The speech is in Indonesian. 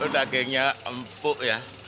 dagingnya empuk ya